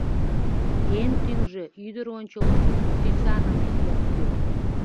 Эн тӱҥжӧ ӱдыр ончылно сӱсаныме ок кӱл.